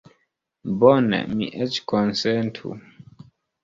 Bone, mi eĉ konsentu.